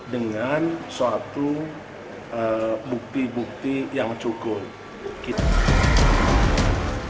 dengan suatu bukti bukti yang cukup